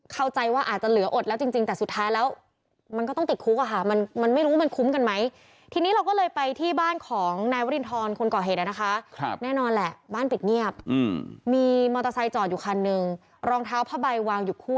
เข้าใจว่าอาจจะเหลืออดแล้วจริงแต่สุดท้ายแล้ว